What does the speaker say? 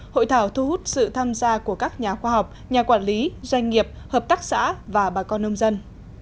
hội thảo thu hút sự tham gia của các nhà khoa học nhà quản lý doanh nghiệp hợp tác xã và bà con nông dân